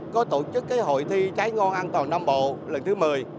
có tổ chức hội thi trái ngon an toàn nam bộ lần thứ một mươi